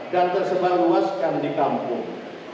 dan tersebar luaskan di kampung